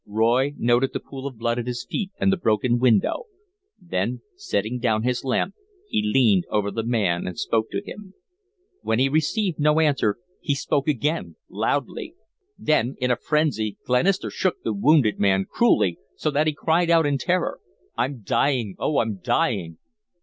Roy noted the pool of blood at his feet and the broken window; then, setting down his lamp, he leaned over the man and spoke to him. When he received no answer he spoke again loudly. Then, in a frenzy, Glenister shook the wounded man cruelly, so that he cried out in terror: "I'm dying oh, I'm dying."